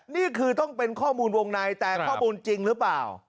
นี่คือต้องเป็นข้อมูลวงในแต่ข้อมูลจริงหรือเปล่า